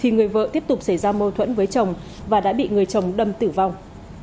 người vợ tiếp tục xảy ra mâu thuẫn với chồng và đã bị người chồng đâm tử vong